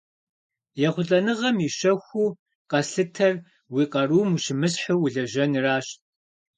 ЕхъулӀэныгъэм и щэхуу къэслъытэр уи къарум ущымысхьу улэжьэныращ.